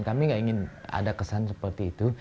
kami nggak ingin ada kesan seperti itu